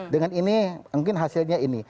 dengan ini mungkin hasilnya ini